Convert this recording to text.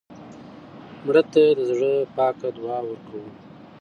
مړه ته د زړه پاکه دعا ورکوو